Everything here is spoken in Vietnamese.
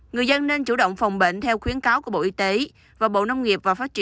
người dân nên chủ động phòng bệnh theo khuyến cáo của bộ y tế và bộ nông nghiệp